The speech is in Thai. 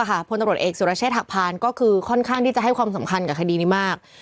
พลตำรวจเอกสุรเชษฐหักพานก็คือค่อนข้างที่จะให้ความสำคัญกับคดีนี้มาก